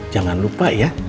jangan lupa ya